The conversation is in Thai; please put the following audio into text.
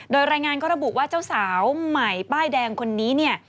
โดยรายงานก็ระบุว่าเจ้าสาวใหม่ป้ายแดงคนนี้เนี่ย